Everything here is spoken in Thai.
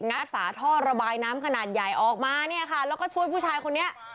ฝาท่อระบายน้ำขนาดใหญ่ออกมาเนี่ยค่ะแล้วก็ช่วยผู้ชายคนนี้